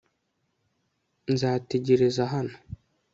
nzategereza hano